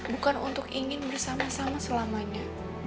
bukan untuk ingin bersama sama selamanya